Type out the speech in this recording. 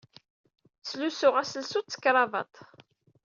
Ttlusuɣ aselsu ed tekrabaḍt.